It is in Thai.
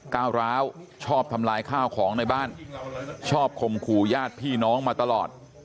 ก้าวร้าวชอบทำลายข้าวของในบ้านชอบข่มขู่ญาติพี่น้องมาตลอด